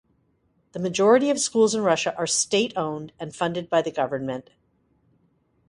The majority of schools in Russia are state-owned and funded by the government.